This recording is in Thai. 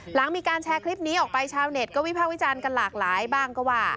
หลังมีการแชร์คลิปนี้ออกไปชาวเน็ตก็วิภาควิจารณ์กันหลากหลายบ้างก็ว่า